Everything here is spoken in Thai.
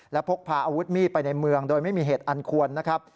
และพกพาอาวุธมีดไปในเมืองโดยไม่มีเหตุอันควรนะครับ